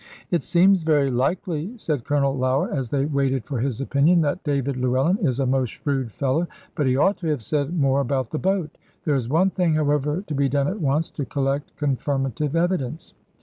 "It seems very likely," said Colonel Lougher, as they waited for his opinion. "That David Llewellyn is a most shrewd fellow. But he ought to have said more about the boat. There is one thing, however, to be done at once to collect confirmative evidence."